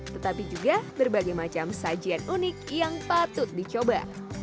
tetapi juga berbagai macam sajian unik yang patut dicoba